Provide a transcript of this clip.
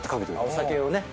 お酒をね。